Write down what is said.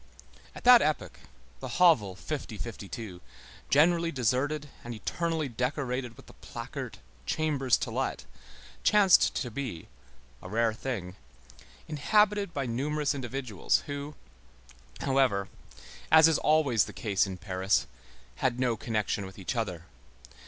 At that epoch, the hovel 50 52 generally deserted and eternally decorated with the placard: "Chambers to let," chanced to be, a rare thing, inhabited by numerous individuals who, however, as is always the case in Paris, had no connection with each other.